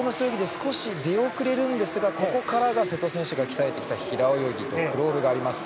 出遅れるんですがここからは瀬戸選手が鍛え上げてきた平泳ぎとクロールがあります。